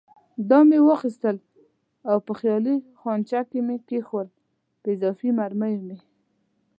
دا مې واخیستل او په خالي خانچه کې مې کېښوول، په اضافي مرمیو مې.